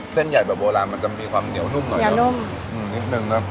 เส้นใหญ่แบบโบราณมันมีความเหนียวนุ่มหน่อยนะฮะเหนียวนุ่ม